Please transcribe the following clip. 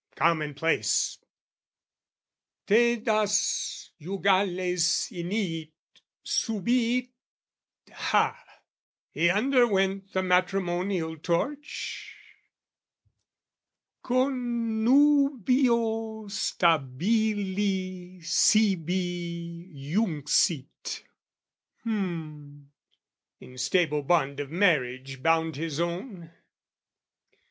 commonplace! TAedas jugales iniit, subiit, ha! He underwent the matrimonial torch? Connubio stabili sibi junxit, hum! In stable bond of marriage bound his own?